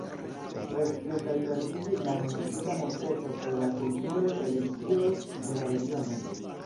Per tio kaj perdiĝis la genetika multeco kaj la kulturaj tradicioj en la regionoj.